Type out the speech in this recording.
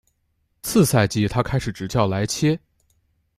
次赛季他开始执教莱切。